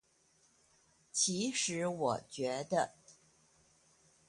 其實我覺得